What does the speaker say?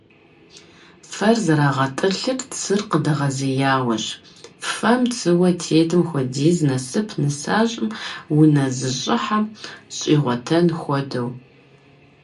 Фэр зэрагъэтӀылъыр цыр къыдэгъэзеяуэщ: фэм цыуэ тетым хуэдиз насып нысащӀэм унэ зыщӀыхьэм щӀигъуэтэн хуэдэу.